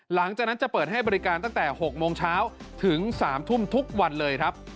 หลังจากนั้นจะเปิดให้บริการตั้งแต่๖โมงเช้าถึง๓ทุ่มทุกวันเลยครับ